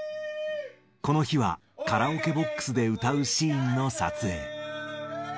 この日は、カラオケボックスで歌うシーンの撮影。